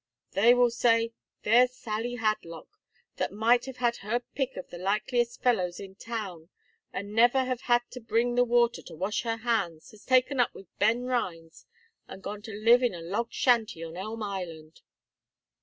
They will say, there's Sally Hadlock, that might have had her pick of the likeliest fellows in town, and never have had to bring the water to wash her hands, has taken up with Ben Rhines, and gone to live in a log shanty on Elm Island."